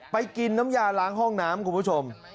กินน้ำยาล้างห้องน้ำคุณผู้ชม